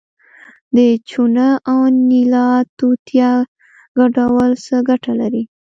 د چونه او نیلا توتیا ګډول څه ګټه لري؟